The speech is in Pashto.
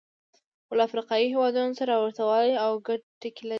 خو له افریقایي هېوادونو سره ورته والی او ګډ ټکي لري.